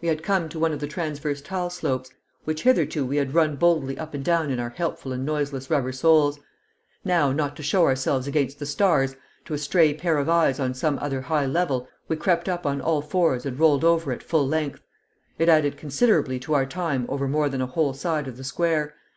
We had come to one of the transverse tile slopes, which hitherto we had run boldly up and down in our helpful and noiseless rubber soles; now, not to show ourselves against the stars, to a stray pair of eyes on some other high level, we crept up on all fours and rolled over at full length. It added considerably to our time over more than a whole side of the square.